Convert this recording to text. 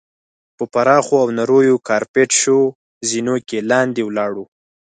په پراخو او نریو کارپیټ شوو زینو کې لاندې ولاړو.